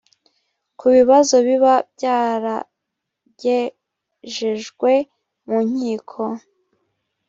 ku bibazo biba byaragejejwe mu nkiko